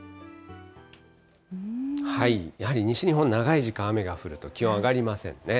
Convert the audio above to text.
やはり西日本、長い時間雨が降ると、気温上がりませんね。